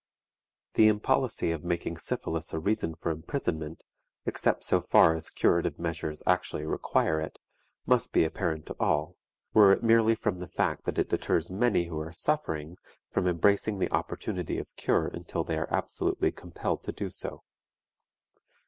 The impolicy of making syphilis a reason for imprisonment, except so far as curative measures actually require it, must be apparent to all, were it merely from the fact that it deters many who are suffering from embracing the opportunity of cure until they are absolutely compelled to do so.